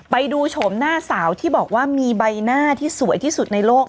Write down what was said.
โฉมหน้าสาวที่บอกว่ามีใบหน้าที่สวยที่สุดในโลก